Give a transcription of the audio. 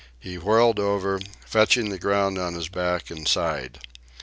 He whirled over, fetching the ground on his back and side.